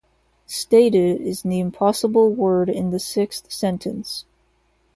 "Stated" is the impossible word in the sixth sentence.